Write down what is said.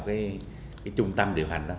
trung tâm điều hành